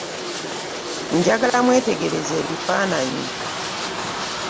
Njagala mwetegereze ebifaananyi.